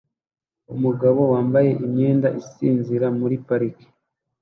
Umugabo wambaye imyenda asinzira muri parike